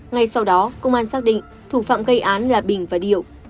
ngay sau đó công an xác định thủ phạm gây án là bình và điệu